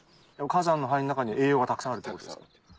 火山の灰の中に栄養がたくさんあるってことですか？